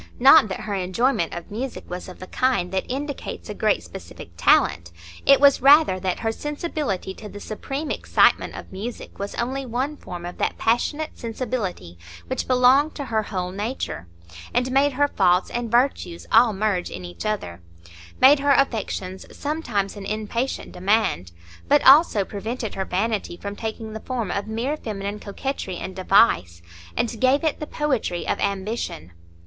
Not that her enjoyment of music was of the kind that indicates a great specific talent; it was rather that her sensibility to the supreme excitement of music was only one form of that passionate sensibility which belonged to her whole nature, and made her faults and virtues all merge in each other; made her affections sometimes an impatient demand, but also prevented her vanity from taking the form of mere feminine coquetry and device, and gave it the poetry of ambition.